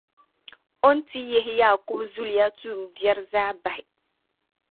o ni ti yihi Yaakubu zuliya tuumbiɛri zaa bahi.